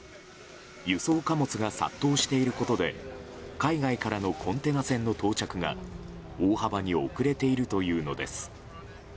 輸送貨物が殺到していることで海外からのコンテナ船の到着が大幅に遅れているというのです。